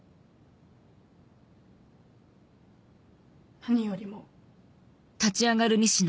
何よりも。